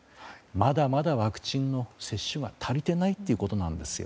まだまだワクチンの接種が足りてないってことなんですよ。